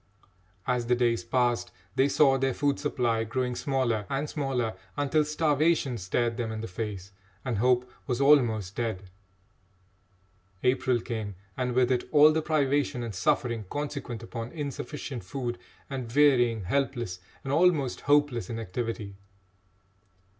As the days passed, they saw their food supply growing smaller and smaller, until starvation stared them in the face, and hope was almost dead. April came, and with it all the privation and suffering consequent upon insufficient food and wearying, helpless, and almost hopeless, inactivity.